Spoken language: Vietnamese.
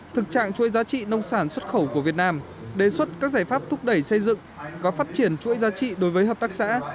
thực trạng chuỗi giá trị nông sản xuất khẩu của việt nam đề xuất các giải pháp thúc đẩy xây dựng và phát triển chuỗi giá trị đối với hợp tác xã